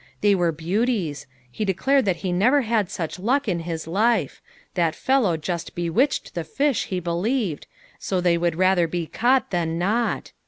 They were beauties ; he declared that he never had such luck in his life ; that fellow just bewitched the fish, he believed, so they would rather be caught than not.